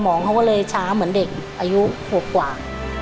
งเขาก็เลยช้าเหมือนเด็กอายุ๖กว่า